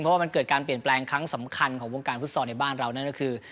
เพราะว่ามันเกิดการเปลี่ยนแปลงครั้งสำคัญของวงการฟุตซอลในบ้านเรานั่นก็คือ